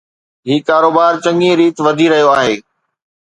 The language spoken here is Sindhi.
هي ڪاروبار چڱي ريت وڌي رهيو آهي.